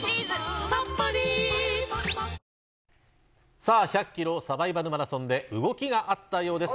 さあ１００キロサバイバルマラソンで動きがあったようです。